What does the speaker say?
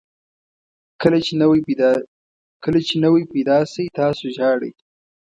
کله چې نوی پیدا شئ تاسو ژاړئ.